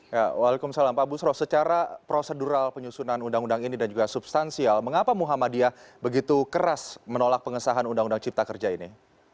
waalaikumsalam pak busro secara prosedural penyusunan undang undang ini dan juga substansial mengapa muhammadiyah begitu keras menolak pengesahan undang undang cipta kerja ini